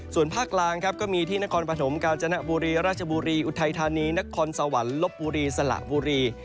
ส่วนภาคกลางครับก็มีที่นครปฐมกาญจนบุรีราชบุรีอุทัยธานีนครสวรรค์ลบบุรีสละบุรี